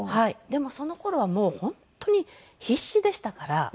でもその頃はもう本当に必死でしたから。